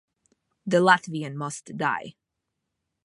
The Latvian must die.